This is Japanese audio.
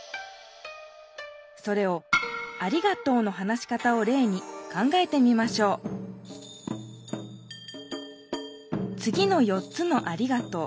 それを「ありがとう」の話し方をれいに考えてみましょうつぎの４つの「ありがとう」。